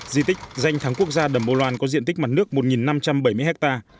di tích danh thắng quốc gia đầm âu loan có diện tích mặt nước một năm trăm bảy mươi ha